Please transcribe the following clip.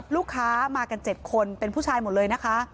ลูกค้ามากัน๗คนเป็นผู้ชายหมดเลยนะคะ